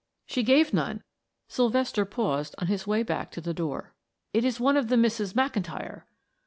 "She gave none." Sylvester paused on his way back to the door. "It is one of the Misses McIntyre."